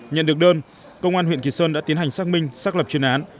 nhận được đơn công an huyện kỳ sơn đã tiến hành xác minh xác lập chuyên án